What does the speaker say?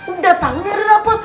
udah tau nyari rapot